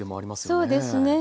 そうですね。